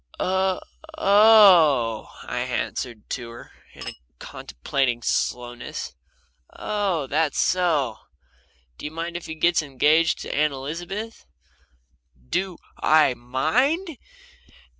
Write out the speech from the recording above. "O o oh!" I answered her, in a contemplating slowness. "Oh that's so! Do you mind if he gets engaged to Aunt Elizabeth?" "Do I MIND?"